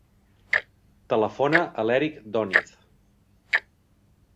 Telefona a l'Erik Doniz.